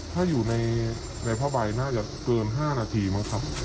ถ้าอยู่ในผ้าใบน่าจะเกิน๕นาทีมั้งครับ